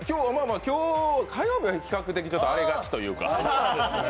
今日は、火曜日は比較的荒れがちというか。